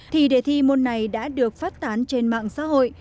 thì đề thi môn này đã được phát tán trên mạng xã hội